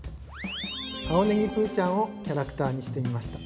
青ねぎプーちゃんをキャラクターにしてみました。